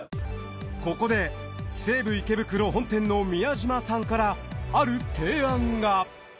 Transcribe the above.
ここで西武池袋本店の宮島さんからある提案が。